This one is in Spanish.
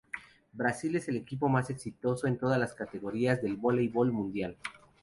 Brasil es el equipo más exitoso en todas las categorías del voleibol mundial.